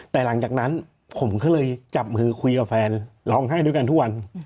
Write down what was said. แต่หลังจากนั้นผมก็เลยจับมือคุยกับแฟนร้องไห้ด้วยกันทุกวัน